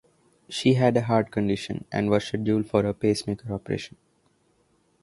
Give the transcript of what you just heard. She had a heart condition and was scheduled for a pacemaker operation.